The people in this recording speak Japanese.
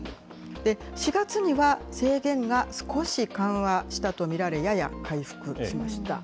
４月には、制限が少し緩和したと見られ、やや回復しました。